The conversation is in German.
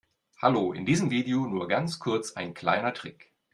Hallo, in diesem Video nur ganz kurz ein kleiner Trick.